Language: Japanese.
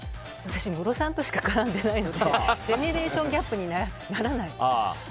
私、ムロさんとしか絡んでないのでジェネレーションギャップにならない。